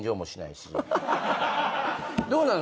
どうなの？